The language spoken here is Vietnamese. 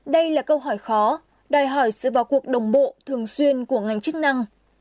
đây là câu hỏi khó đòi hỏi sự vào cuộc đồng bộ thường xuyên của ngành chức năng